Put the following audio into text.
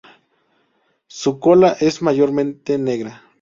Su cola es mayormente negra.